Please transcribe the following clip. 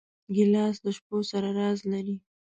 ګیلاس له شپو سره راز لري.